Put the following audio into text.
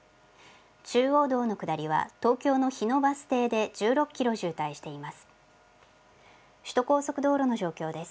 中央道の下りは東京の日野バス停で１６キロ渋滞しています。